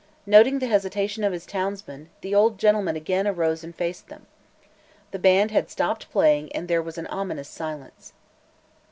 Noting the hesitation of his townsmen, the old gentleman again arose and faced them. The band had stopped playing and there was an ominous silence.